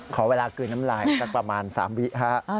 ขอเวลากลืนน้ำลายสักประมาณ๓วิครับ